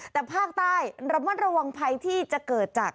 แต่ภาคใต้ระมัดระวังภัยที่จะเกิดจาก